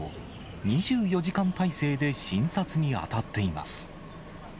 ２４時間体制で診察に当たっています。